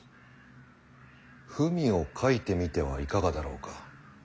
文を書いてみてはいかがだろうか。